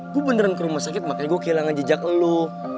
gue beneran ke rumah sakit makanya gue kehilangan jejak lo